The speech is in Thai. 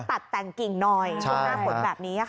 ตัดแต่งกิ่งหน่อยช่วงหน้าฝนแบบนี้ค่ะ